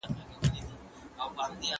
که پانګونه وسي ټولنه به وده وکړي.